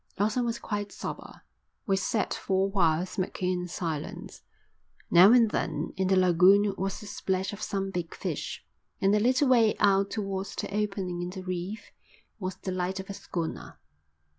Lawson was quite sober. We sat for a while smoking in silence. Now and then in the lagoon was the splash of some big fish, and a little way out towards the opening in the reef was the light of a schooner.